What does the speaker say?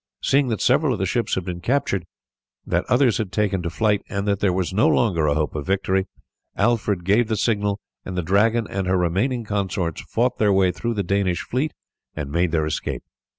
Seeing that several of the ships had been captured, that others had taken to flight, and that there was no longer a hope of victory, Alfred gave the signal, and the Dragon and her remaining consorts fought their way through the Danish fleet and made their escape.